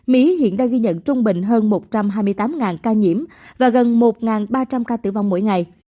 mỹ hiện đang ghi nhận trung bình hơn một trăm hai mươi tám ca nhiễm và gần một ba trăm linh ca tử vong mỗi ngày